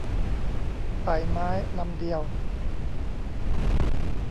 ไต่ไม้ลำเดียว